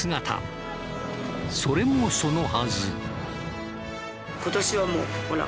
それもそのはず。